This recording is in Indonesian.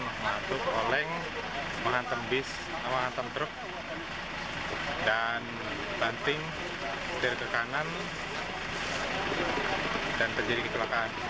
untuk oleng mengantem bis mengantem truk dan banting setir ke kanan dan terjadi kecelakaan